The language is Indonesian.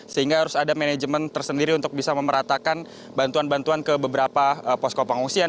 sehingga harus ada manajemen tersendiri untuk bisa memeratakan bantuan bantuan ke beberapa posko pengungsian